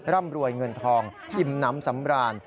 ร่ำรวยเงินทองอิ่มน้ำสำราญ